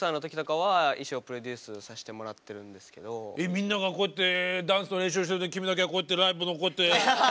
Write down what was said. みんながこうやってダンスの練習をしてる時君だけはこうやってライブのこうやって。